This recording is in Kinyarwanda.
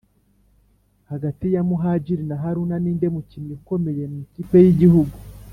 hagati ya muhajili na haruna ninde mukinnyi ukomeye mu ikipe y’igihugu?